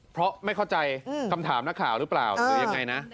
เพราะไม่เข้าใจคำถามนักข่าวหรือเปล่าหรือยังไงนะ